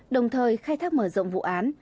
đồng thời khai thác mở rộng vụ án